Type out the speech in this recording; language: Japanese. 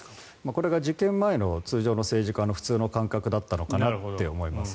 これが事件前の通常の政治家の普通の感覚だったのかなと思います。